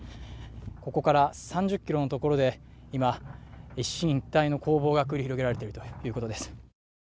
ここから３０ｋｍの所で今、一進一退の攻防が繰り広げられているということです。